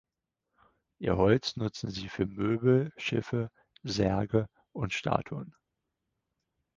Ihr Holz nutzten sie für Möbel, Schiffe, Särge und Statuen.